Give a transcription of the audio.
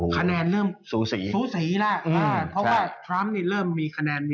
คะแนนเริ่มสูญสีแล้ว